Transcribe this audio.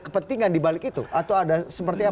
kepentingan dibalik itu atau ada seperti apa